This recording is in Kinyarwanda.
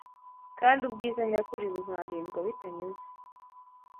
kandi ubwiza nyakuri buzarindwa bitanyuze